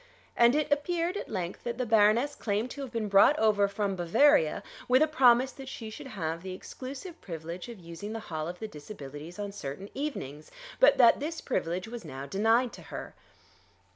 And it appeared at length that the Baroness claimed to have been brought over from Bavaria with a promise that she should have the exclusive privilege of using the hall of the Disabilities on certain evenings, but that this privilege was now denied to her.